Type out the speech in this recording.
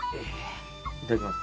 いただきます。